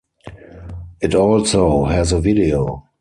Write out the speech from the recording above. It also has a video.